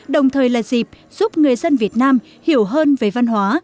đồng thời là dịp giúp người dân việt nam hiểu hơn về văn hóa